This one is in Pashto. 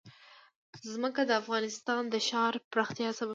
ځمکه د افغانستان د ښاري پراختیا سبب کېږي.